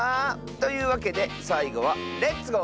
というわけでさいごは「レッツゴー！